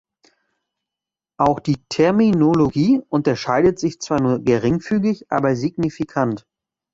Auch die Terminologie unterscheidet sich zwar nur geringfügig aber signifikant.